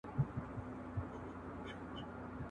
مگر گوره یولوی ځوز دی زما په پښه کی ..